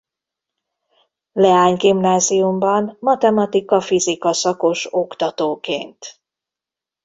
Leány Gimnáziumban matematika-fizika szakos oktatóként.